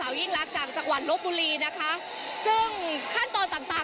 ยิ่งรักจากจังหวัดลบบุรีนะคะซึ่งขั้นตอนต่างต่าง